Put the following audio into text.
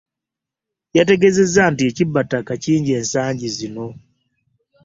Yategeezezza nti ekibba ttaka kingi ensangi zino